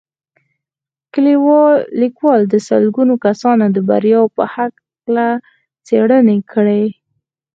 ليکوال د سلګونه کسانو د برياوو په هکله څېړنې کړې.